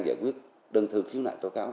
giải quyết đơn thư khiếu nại tố cáo